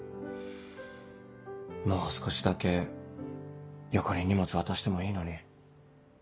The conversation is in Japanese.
もう少しだけ横に荷物渡してもいいのに。